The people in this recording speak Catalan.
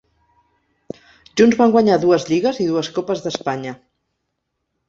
Junts van guanyar dues lligues i dues copes d'Espanya.